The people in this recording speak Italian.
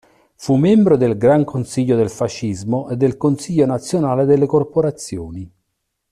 Fu membro del Gran consiglio del fascismo e del Consiglio nazionale delle corporazioni.